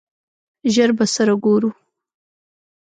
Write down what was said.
ژر به سره ګورو !